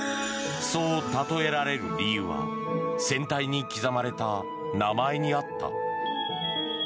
そう例えられる理由は船体に刻まれた名前にあった。